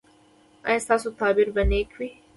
ایا ستاسو تعبیر به نیک وي؟